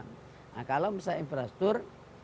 nah kalau misalnya infrastur